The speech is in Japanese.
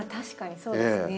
そうですね。